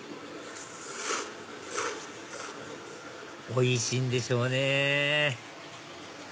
おいしいんでしょうね